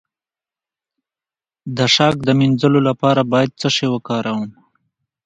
د شک د مینځلو لپاره باید څه شی وکاروم؟